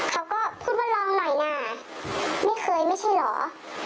เขาก็พูดว่าลองหน่อยนะไม่เคยไม่ใช่เหรอ